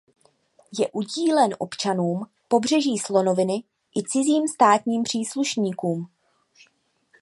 Je udílen občanům Pobřeží slonoviny i cizím státním příslušníkům.